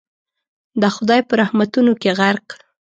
د خدای په رحمتونو کي غرق